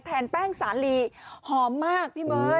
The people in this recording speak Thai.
แทนแป้งสาลีหอมมากพี่เมิด